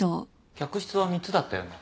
客室は３つだったよね？